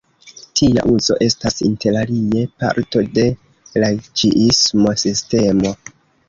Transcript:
Tia uzo estas interalie parto de la ĝiismo-sistemo.